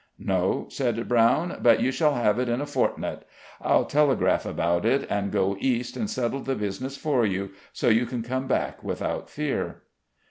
"No," said Brown; "but you shall have it in a fortnight. I'll telegraph about it, and go East and settle the business for you, so you can come back without fear."